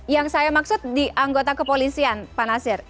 yang saya maksud di anggota kepolisian pak nasir